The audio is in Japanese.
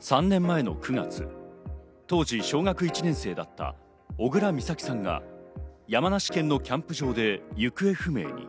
３年前の９月、当時、小学１年生だった小倉美咲さんが山梨県のキャンプ場で行方不明に。